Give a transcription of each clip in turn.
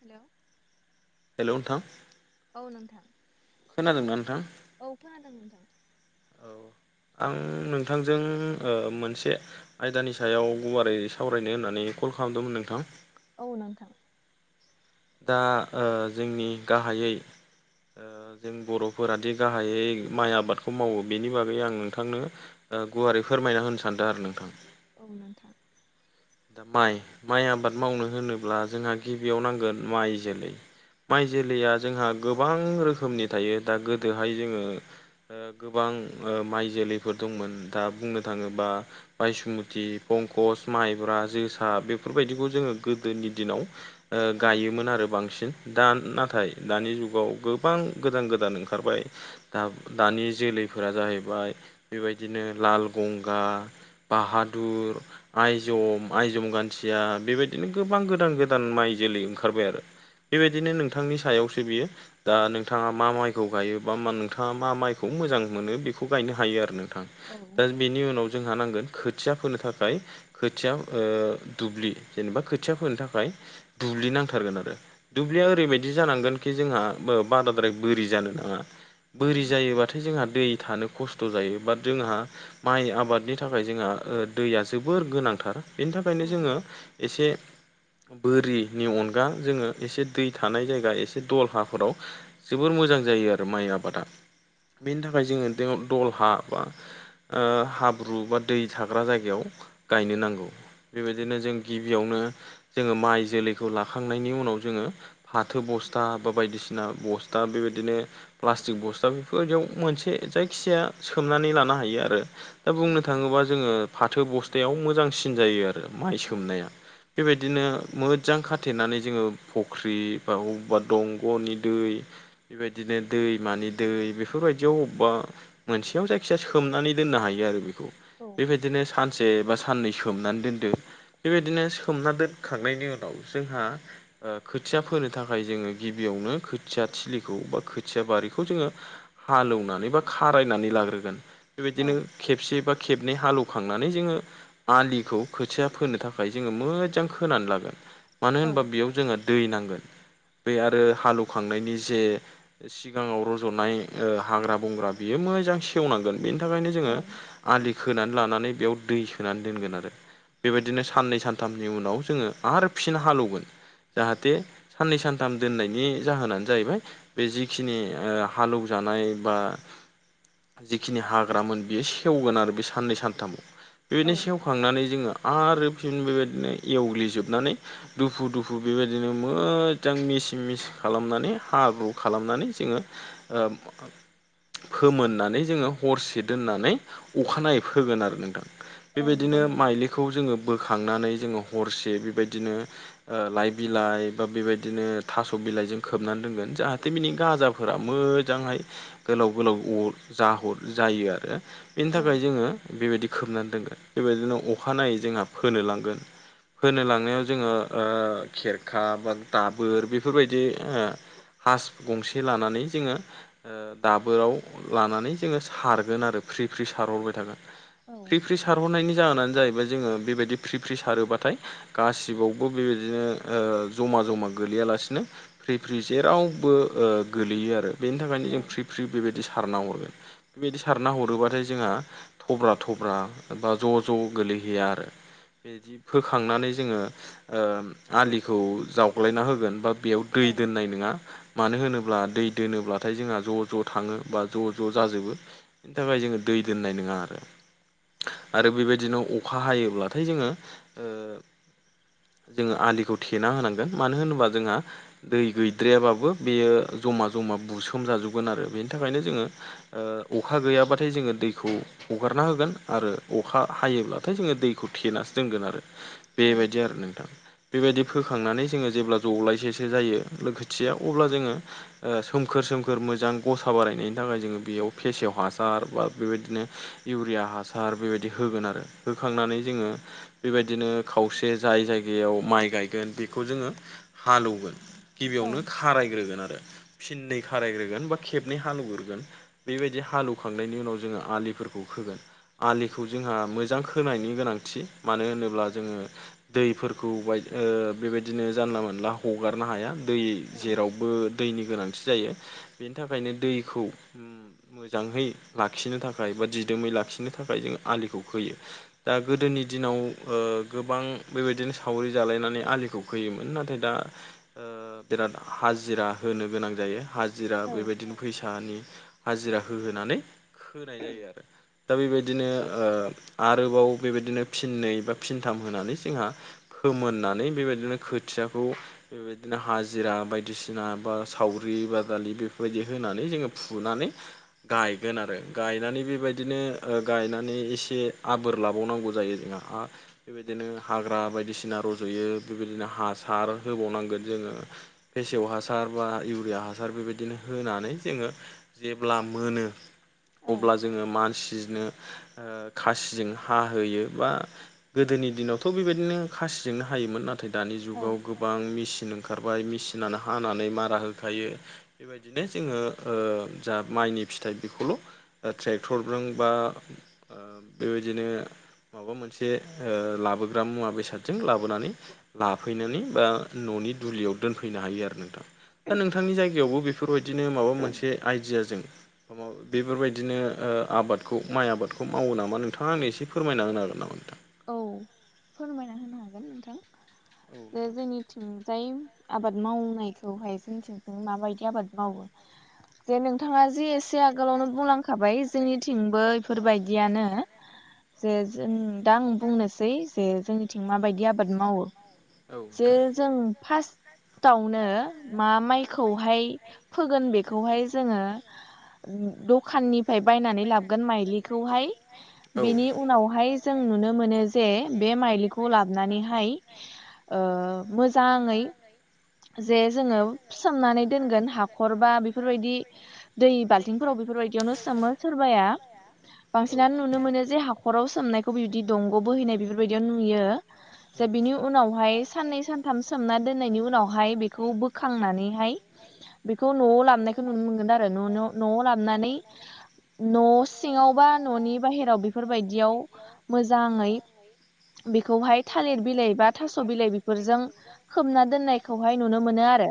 Hello hello नोंथां औ नोंथां खोनादोंना नोंथां? औ खोनादों नोंथां औ आं नोंथांजों मोनसे आयदानि सायाव गुवारै सावरायनो होननानै कल खालामदोंमोन नोंथां औ नोंथां दा ओ जोंनि गाहायै ओ जों बर'फोरादि गाहायै माइ आबादखौ मावो बेनि बागै आं नोंथांनो ओ गुवारै फोरमायना होनो सानदों आरो नोंथां औ नोंथां दा माइ माइ आबाद मावनो होनोब्ला जोंहा गिबियाव नांगोन माइ जोलै माइ जोलैया जोंहा गोबां रोखोमनि थायो दा गोदोहाय जोंङो ओ गोबां ओ माइ जोलैफोर दंमोन दा बुंनो थांङोबा बायुसमुति, पंकस, माइब्रा, जोसा बेफोरबायदिखौ जोंङो गोदोनि दिनाव ओ गायोमोन आरो बांसिन दा नाथाय दानि जुगाव गोबां गोदान गोदान ओंखारबाय दा दानि जोलैफोरा जाहैबाय बेबायदिनो लाल गंगा बाहादुर आइजम, आइजम गानथिया बेबायदिनो गोबां गोदान गोदान माइ जोलै ओंखारबाय आरो। बेबायदिनो नोंथांनि सायावसो बियो दा नोंथाङा मा माइखौ गायो बा मा नोंथाङा मा माइखौ मोजां मोनो बेखौ गायनो हायो आरो नोंथां। दा बेनि उनाव जोंहा नांगोन खोथिया फोनो थाखाय खोथिया ओ दुब्लि जेनेबा खोथिया फोनो थाखाय दुब्लि नां थारगोन आरो दुब्लिया ओरैबायदि जानांगोन खि जोंहा बाराद्राय बोरि जानो नाङा। बोरि जायोबाथाय जोंहा दै थानो खस्थ' जायो बा जोंहा माइ आबादनि थाखाय जोंहा ओ दैया जोबोर गोनांथार बेनि थाखायनो जोङो एसे बोरिनि अन गा जोङो एसे दै थानाय जायगा एसे दलहाफोराव जोबोर मोजां जायो आरो माइ आबादा बेनि थाखाय जोङो दल हा बा ओ हाब्रु बा दै थाग्रा जायगायाव गायनो नांगौ बेबायदिनो जों गिबियावनो जोङो माइ जोलैखौ ला खांनायनि उनाव जोङो फाथो बस्था बा बायदिसिना बस्था बेबायदिनो प्लास्टिक बस्था बेफोरबायदियाव मोनसे जायखिजाया सोमनानै लानो हायो आरो। दा बुंनो थाङोबा जोङो फाथो बस्थायाव मोजांसिन जायो आरो। माइ सोमनाया बेबायदिनो मोजां खा थेनानै जोङो फख्रि बा अबेबा दंग'नि दै बेबायदिनो दैमानि दै बेफोरबायदियाव अबेबा मोनसेयाव जायखिजाया सोमनानै दोननो हायो आरो बेखौ औ बेबायदिनो सानसे बा साननै सोमनानै दोनदो बेबायदिनो सोमना दोनखांनायनि उनाव जोंहा ओ खोथिया फोनो थाखाय जोङो गिबियावनो खोथिया थिलिखौ बा खोथिया बारिखौ जोङो हालेवनानै बा खारायनानै लाग्रोगोन बेबायदिनो खेबसे बा खेबनै हालेवखांनानै जोङो आलिखौ खोथिया फोनो थाखाय जोङो मोजां खोनानै लागोन। मानो होनबा बेयाव जोंहा दै नांगोन बे आरो हालौवखांनायनि जे सिगाङाव रज'नाय ओ हाग्रा बंग्रा बियो मोजां सेवनांगोन बेनि थाखायनो जोङो आलि खोनानै लानानै बेयाव दै सोनानै दोनगोन आरो। बेबायदिनो साननै सानथामनि उनाव जोङो आरो फिन हालौवगोन जाहाथे साननै सानथाम दोननायनि जाहोनानो जाहैबाय बे जिखिनि ओ हालेवजानाय बा जिखिनि हाग्रामोन बियो सेवगोन आरो बे साननै सानथामाव बेबायदिनो सेवखांनानै जोङो आरो फिन बेबायदिनो एवग्लिजोबनानै दुफु दुफु बेबायदिनो मोजां मेसिन मेसि खालामनानै हाब्रु खालामनानै जोङो ओ फोमोननानै जोङो हरसे दोननानै अखानायै फोगोन आरो नोंथां बेबायदिनो माइलिखौ जोङो बोखांनानै जोङो हरसे बेबायदिनो लाइ बिलाइ बा बेबायदिनो थास' बिलाइजों खोबनानै दोनगोन जाहाथे बिनि गाजा फोर मोजांहाय गोलाव गोलाव जाहर जायो आरो। बेनि थाखाय जोङो बेबायदि खोबनानै दोनगोन बेबायदिनो अखानायै जोंहा फोनो लांगोन फोनो लांनायाव जोङो ओ खेरखा बा दाबोर बेफोरबायदि ओ हास गंसे लानानै जोङो ओ दाबोराव लानानै जोङो सारगोन आरो फ्रि फ्रि सारहरबाय थागोन। फ्रि फ्रि सारहरनायनि जाहोनानो जाहैबाय जोङो बेबायदि फ्रि फ्रि सारोबाथाय गासि बावबो बेबायदिनो जमा जमा गोलैयालासिनो फ्रि फ्रि जेरावबो ओ गोलैयो आरो बेनि थाखायनो जों फ्रि फ्रि बेबायदि सारना हरगोन बेबायदि सारना हरोबाथाय जोंहा थब्रा थब्रा बा ज' ज' गोलैहैया आरो बेदि फोखांनानै जोङो आलिखौ जावग्लायना होगोन बा बेयाव दै दोननाय नङा मानो होनोब्ला दै दोनोब्लाथाय जोंहा ज' ज' थाङो बा ज' ज' जाजोबो बेनि थाखाय जोङो दै दोननाय नङा आरो आरो बेबायदिनो अखा हायोब्लाथाय जोङो ओ जोङो आलिखौ थेना होनांगोन मानो होनोबा जोंहा दै गैद्रायाबाबो बेयो जमा जमा बुसोम जाजोबगोन आरो बेनि थाखायनो जोङो ओ अखा गैयाब्लाथाय जोङो दैखौ हगारना होगोन आरो अखा हायोब्लाथाय जोङो दैखौ थेनासो दोनगोन आरो बेबायदि आरो नोंथां बेबायदि फोखांनानै जोङो जेब्ला दबलायसेसो जायो खोथियाया अब्ला जोङो सोमखोर सोमखोर मोजां गसा बारायनायनि थाखाय जोङो बेयाव फेसेव हासार बा बेबायदिनो इउरिया हासार बेबायदि होगोन आरो होखांनानै जोङो बेबायदिनो खावसे जे जाय जायगायाव माइ गायगोन बेखौ जोङो हालएवगोन गिबियावनो खारायग्रोगोन आरो फिननै खारायग्रोगोन बा खेबनै हालएवग्रोगोन बेबायदि हालएवखांनायनि उनाव जोङो आलिफोरखौ खोगोन आलिखौ जोंहा मोजां खोनायनि गोनांथि मानो होनोब्ला जोङो दैफोरखौ बाय बेबायदिनो जानला मोनला हगारनो हाया दै जेरावबो दैनि गोनांथि जायो बेनि थाखायनो दैखौ मोजांयै लाखिनो थाखाय बा दिदोमै लाखिनो थाखाय जों आलिखौ खोयो दा गोदोनि दिनाव ओ गोबां- बेबायदिनो सावरि जालायनानै आलिखौ खोयोमोन नाथाय दा बिराद हाजिरा होनो गोनां जायो हाजिरा बेबायदिनो फैसानि हाजिरा होहोनानै खोनाय जायो आरो दा बेबायदिनो आरोबाव बेबायदिनो फिननै बा फिनथाम होनानै जोंहा फोमोननानै बेबायदिनो खोथियाखौ बेबायदिनो हाजिरा बायदिसिना बा सावरि बादालि बेफोरबायदि होनानै जोङो फुनानै गायगोन आरो गायनानै बेबायदिनो गायनानै एसे आबोर लाबावनांगौ जायो बेबायदिनो हाग्रा बायदिसिना रज'यो बेबायदिनो हासार होबावनांगोन जोङो फेसेव हासार बा इउरिया हासार बेबायदिनो होनानै जोङो जेब्ला मोनो अब्ला जोङो मानसिनो खासिजों हाहोयो बा गोदोनि दिनावथ' बेबायदिनो खासिजोंनो हायोमोन नाथाय नाथाय दानि जुगाव गोबां मेचिन ओंखारबाय मेसिनानो हानानै मारा होखायो बेबायदिनो जोङो ओ जा माइनि फिथाइ बेखौल' ट्रेक्टरजों बा बेबायदिनो माबा मोनसे लाबोग्रा मुवा बेसादजों लाबोनानै लाफैनानै बा न'नि दुलियाव दोनफैनो हायो आरो नोंथां दा नोंथांनि जायगायावबो बेफोरबायदिनो माबा मोनसे आइडियाजों बेफोरबायदिनो आबादखौ माइ आबादखौ मावो नामा नोंथाङा आंनो एसे फोरमायना होनो हागोन नामा नोंथां औ फोरमायना होनो हागोन नोंथां दे जोंनि थिंजाय आबाद मावनायखौहाय जोंथिं जों माबायदि आबाद मावो जे नोंथाङा जि एसे आगोलावनो बुंलांखाबाय जोंनिथिंबो बेफोरबायदियानो जे जों दा आं बुंनोसै जे जोंनिथिं माबायदि आबाद आबाद मावो जे जों फार्स्ट टावनो मा माइखौहाय फोगोन बेखौहाय जोङो दखाननिफ्राय बायनानै लाबोगोन माइजोलिखौहाय बेनि उनावहाय नुनो मोनो जे बे माइलिखौ लाबोनानैहाय मोजाङै जे जोङो सोमनानै दोनगोन हाखर बा बेफोरबायदि दै बाल्थिंफोराव बेफोरबायदियावनो सोमो सोरबाया बांसिनानो नुनो मोनो जे हाखराव सोमनाय दंग बोहैनाय बेफोरबादिया नुयो जे बेनि उनावहाय साननै सान सानथाम सोमना दोननायनि उनावहाय बेखौ बोखांनानैहाय बेखौ न'आव लाबनायखौ नुनो मोनगोन आरो न' न'आव लाबनानै न' सिङांव बा न'नि बाहेराव बेफोरबायदियाव मोजांङै बेखौहाय थालिर बिलाइ बा थास' बिलाइ बेफोरजों खोबना दोननायखौहाय नुनो मोनो आरो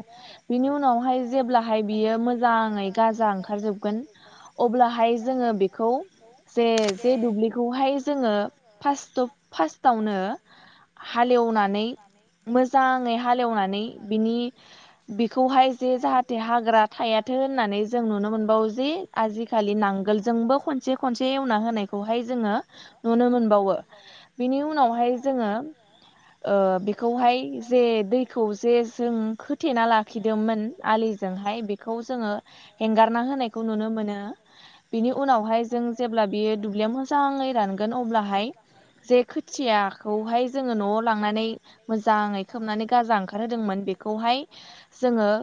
बिनि उनावहाय जेब्लाहाय बियो मोजांङै गाजा ओंखार जोबगोन अब्लाहाय जोंङो बेखौ जे जे दुब्लिखौहाय जोंङो फारट फार्स्टावनो हालेवनानै मोजांङै हालेवनानै बिनि बेखौहाय जे जाहाथे हाग्रा थायाथों होननानै जों नुनो मोनबावो ज आजिखालि खालि बिदि नांगोलजों खनसे खनसे एवना होनाय जोंङो मोनबावो बिनि उनावहाय जोंङो बेखौहाय जे दैखौ जे जों खथेना लाखिदोंमोन आलि जोंहाय बेखौ जोंङो हेंगारना होनायखौ नुनो मोनो बिनि उनावहाय जों जेब्ला बियो दुब्लिया मोजांङै रानगोन अब्लाहाय जे खोथियाखौहाय जोंङो न'आव लांनानै मोजाङै खोबनानै गाजा ओंखारहोदोंमोन बे खौहाय जोंङो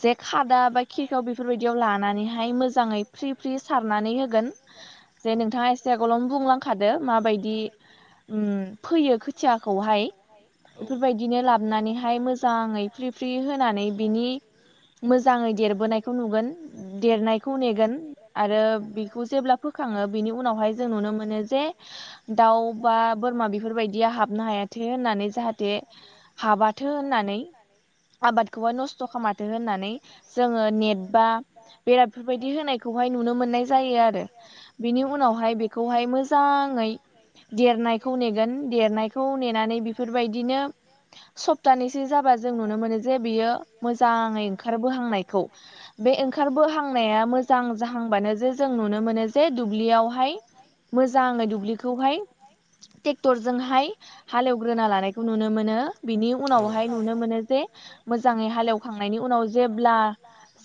जे खादा बा खिरखाव बेफोरबायदियाव लानानैहाय मोजांङै फ्रि फ्रि सारनानै होगोन जे नोंथांङा ए खथिखौल' बुंलांखादो माबायदि फैयो खोथियाखौहाय बेफोरबायदिनो लाबनानैहाय मोजांङै फ्रि फ्रि होनानै बिनि मोजांङै देरबोनायखौ नुगोन देरनाय खौ नेगोन आरो बेखौ जेब्ला फोखाङो बिनि उनावहाय जों नुनो मोनो जे दाउ बा बोरमा बेफोरबायदिया हाबनो हायाथे होननानै जाहाथे हाबाथो होननानै आबादखौहाय नस्थ' खामाथो होननानै जोंङो नेट बा बेरा बेफोरबायदि होनायखौहाय नुनो मोननाय जायो आरो बेनि उनावहाय खौहाय मोजांङै देरनायखौ नेगोन देरनायखौ नेनानै बेफोरबायदिनो सप्तानैसो जाबा जों नुनो मोनो जे बियो मोजांङै ओंखारबोहांनायखौ बे ओंखारबोहांनाया मोजां जाहांबानो जे जों नुनो मोनो जे दुब्लियावहाय मोजांङै दुब्लिखौहाय टेक्टरजोंहाय हालेवग्रोना लानायखौ नुनो मोनो बिनि उनावहाय नुनो मोनो जे मोजांङै हालेवखांनायनि उनाव जेब्ला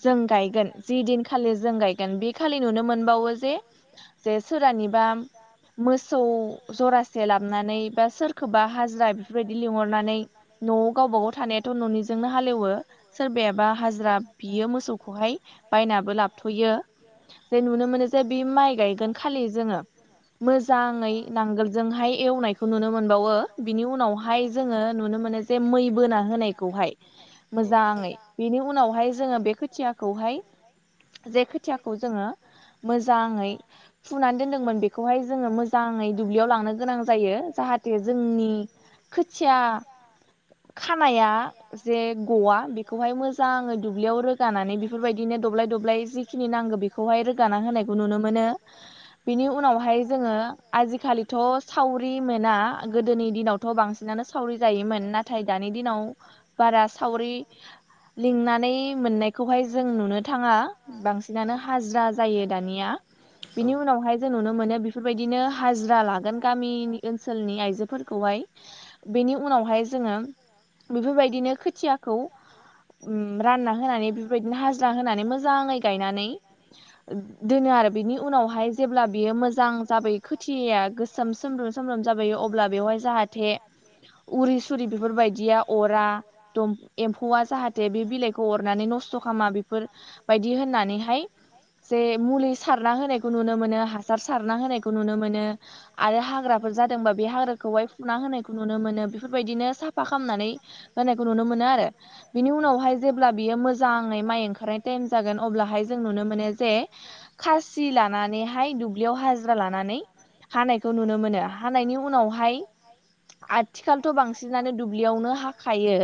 जों गायगोन खालि जों गायगोन बे खालि नुनो मोनबावो जे जे सोरानिबा मोसौ जरासे लाबनै बा सोरखौबा हाजिरा बेफोरबायदि लिंहरनानै न'आव गावबागाव थानायाथ' न'निजोंनो हालेवो सोरबायाबा हाजिरा बियो मोसौखौहाय बाय नाबो लाबथ'यो जे नुनो मोनो जे बे माइ गायगोन खालि जोंङो मोजाङै नांगोलजोंहाय एवनायखौ नुनो मोनबावो बिनि उनावहाय जोंङो नुनो मोनो जे मै बोना होनायखौहाय मोजांङै बेनि उनावहाय जोंङो बे खोथियाखौहाय जे खोथियाखौ जोङो मोजांङै फुनानै दोनदोंमोन बेखौहाय जोंङो मोजांङै दुब्लियाव लांनो गोनां जायो जाहाथे जोंनि खोथिया खानाया जे गवा बेखौहाय मोजांङै दुब्लियाव रोगानानै बेफोरबायदि दब्लाय दब्लाय जिखिनि नांगौ बेखौहाय रोगाना होनायखौ नुनो मोनो बिनि उनावहाय जोंङो आजिखालिथ' सावरि मोना गोदोनि दिनाव थ' बांसिनानो सावरि जायोमोन नाथाय दानि दिनाव बारा सावरि लिंनानै मोननायखौहाय जों नु नो थांङा बांसिनानो हाजिरा जायो दानिया बिनि उनावहाय जों नुनो मोनो बिफोरबायदिनो हाजिरा लागोन गामिनि ओनसोलनि आइजोफोरखौहाय। बेनि उनावहाय जोङो बेफोरबायदिनो खोथियाखौ उम रानना होनानै बेफोरबायदिनो हाज होनानै मोजाङै गायनानै दोनो आरो बिनि उनावहाय जेब्ला बियो मोजां जाबोयो खोथियाया गोसोम सोमब्रोम सोमब्रोम जाबोयो अब्ला बेवहाय जाहाथे उरि सुरि बेफोरबायदिया अरा दम एम्फौआ जाहाथ थे बे बिलाइखौ अरनानै नस्थ' खामा बेफोर बायदि होननानैहाय जे मुलि सा सारना होनायखौ नुनो मोनो हासार सारना होनायखौ नुनो मोनो आरो हाग्राफोर जादोंबा बे हाग्राखौहाय फुना होनायखौ नुनो मोनो बेफोरबायदिनो साफा खामनानै होनायखौ नुनो मोनो आरो। बिनि उनावहाय जेब्ला बियो मोजाङै माइ ओंखारनाय टाइम जागोन अब्लाहाय जों नुनो मोनो जे खासि लानानैहाय दुब्लियाव हाजिरा लानानै हानायखौ नुनो मोनो। हानायनि उनावहाय हाय आथिखालथ' बांसिनानो दुब्लियावनो हाखायो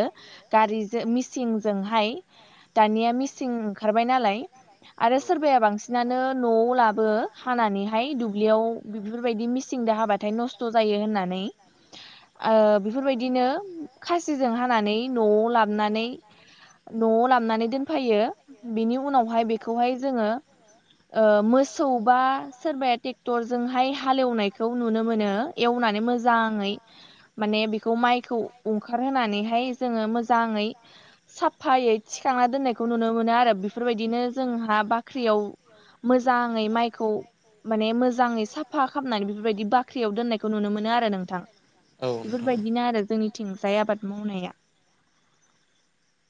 गारिजो मिचिंजोंहाय दानिया मिसिं ओंखारबाय नालाय आरो सोरबाया बांसि नानो न'आव लाबो हानानैहाय दुब्लियाव बि बिफोरबायदि मिसिं दो हाबाथाय नस त' जायो होननानै। ओ बेफोरबायदिनो खासिजों हानानै न'आव लाबनानै न'आव लाबनानै दोनफायो बिनि उनावहाय बेखौहाय जोङो ओ मोसौ बा सोरबाया टेक्टरजोंहाय हालेवनायखौ नुनो मोनो। एवनानै मोजाङै माने बेखौ माइखौ अंखारहोनानैहाय जोङो मोजाङै साफायै थिखांना दोननायखौ नुनो मोनो आरो। बिफोरबायदिनो जोंहा बा बाख्रियाव मोजाङै माइखौ माने मोजाङै साफा खालामनानै बेफोरबायदि बाख ख्रियाव दोननायखौ नुनो मोनो आरो नोंथां बेफोरबायदिनो आरो जोंनिथिंजाय आबाद मावनाया।